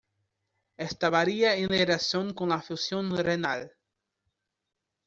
Esta varía en relación con la función renal.